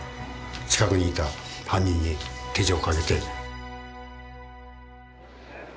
近くにいた犯人に手錠をかけて。